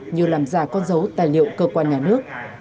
như làm giả con dấu tài liệu cơ quan nhà nước